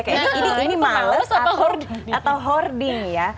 kayaknya ini males atau hoarding ya